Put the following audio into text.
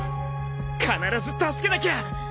必ず助けなきゃ。